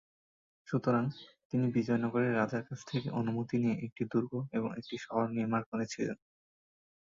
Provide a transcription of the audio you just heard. সুতরাং, তিনি বিজয়নগরের রাজার কাছ থেকে অনুমতি নিয়ে একটি দুর্গ এবং একটি শহর নির্মাণ করেছিলেন।